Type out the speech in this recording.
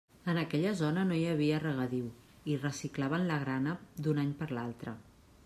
En aquella zona no hi havia regadiu i reciclaven la grana d'un any per a l'altre.